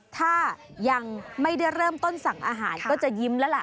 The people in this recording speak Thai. ถ้ายังไม่ได้เริ่มต้นสั่งอาหารก็จะยิ้มแล้วล่ะ